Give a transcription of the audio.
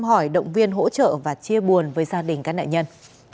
hỏi động viên hỗ trợ và chia buồn với gia đình các nạn nhân